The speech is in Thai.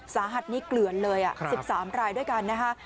สาหัสนี่เกลือนเลย๑๓รายด้วยกันนะคะ